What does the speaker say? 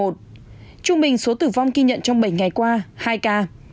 trung bình số tử vong ghi nhận trong bảy ngày qua hai ca